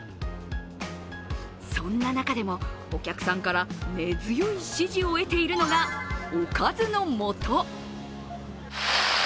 そんな中でも、お客さんから根強い支持を得ているのが、おかずの素。